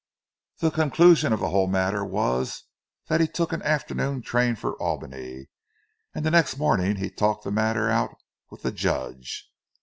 The conclusion of the whole matter was that he took an afternoon train for Albany; and the next morning he talked the matter out with the Judge.